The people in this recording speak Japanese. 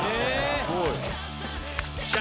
すごい。